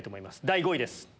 第５位です。